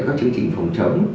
các chương trình phòng chống